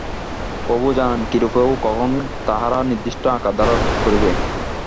প্রভু জানেন, কিরূপে ও কখন তাহারা নির্দিষ্ট আকার ধারণ করিবে।